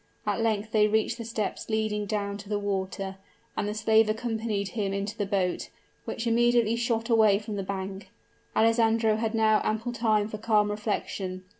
At length they reached the steps leading down to the water, and the slave accompanied him into the boat, which immediately shot away from the bank. Alessandro had now ample time for calm reflection.